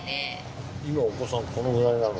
今お子さんこのぐらいなの？